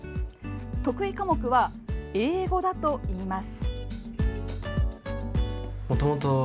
得意科目は英語だといいます。